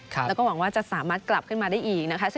แล้วก็หวังว่าจะสามารถกลับขึ้นมาได้อีกนะคะ